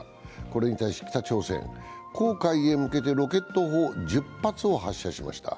これに対し、北朝鮮、航海へ向けてロケット砲１０発を発射しました。